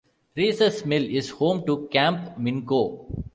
Reeses Mill is home to Camp Minco.